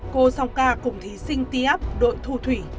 cô song ca cùng thí sinh tf đội thù thủy